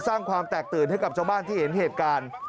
สร้างความแตกตื่นให้กับชาวบ้านที่เห็นเหตุการณ์